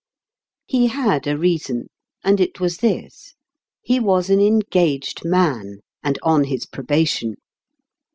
He had a reason, and it was this : he was an engaged man, and on his probation.